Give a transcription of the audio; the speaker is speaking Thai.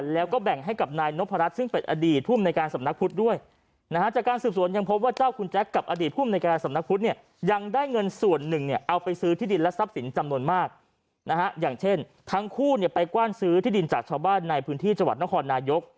แล้วก็แบ่งให้กับนายนพรัชซึ่งเป็นอดีตผู้มนัยการสำนักพุทธด้วย